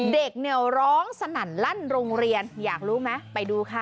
เด็กเนี่ยร้องสนั่นลั่นโรงเรียนอยากรู้ไหมไปดูค่ะ